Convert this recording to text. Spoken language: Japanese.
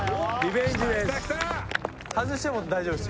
外しても大丈夫です。